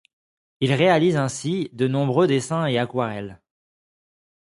Il réalise ainsi de nombreux dessins et aquarelles.